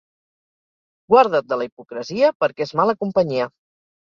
Guarda't de la hipocresia perquè és mala companyia.